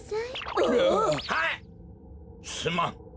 すまん。